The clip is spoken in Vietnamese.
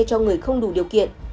cho người không đủ điều kiện